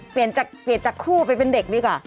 เปลี่ยนจากคู่เป็นเด็กนี่ค่ะ